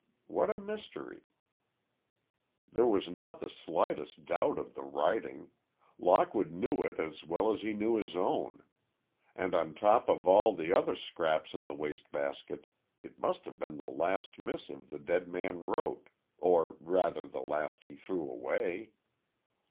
What a mystery! There was not the slightest doubt of the writing. Lockwood knew it as well as he knew his own. And on top of all the other scraps in the waste basket it must have been the last missive the dead man wrote—or, rather the last he threw away.